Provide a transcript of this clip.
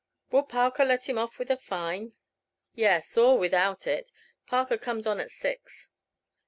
"Will Parker let him off with a fine?" "Yes, or without it. Parker comes on at six."